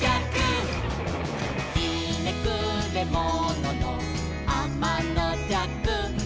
「ひねくれもののあまのじゃく」